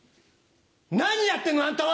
何やってんのあんたは！